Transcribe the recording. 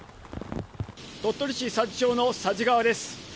鳥取市佐治町の佐治川です。